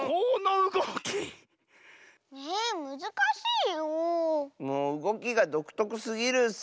うごきがどくとくすぎるッス。